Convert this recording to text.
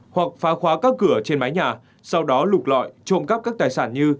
hoặc phá khóa các cửa trên mái nhà sau đó lục lọi trộm cắp các tài sản như